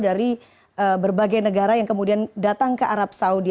dari berbagai negara yang kemudian datang ke arab saudi